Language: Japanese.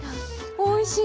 おいしい！